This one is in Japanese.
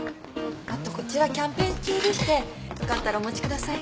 あとこちらキャンペーン中でしてよかったらお持ちください。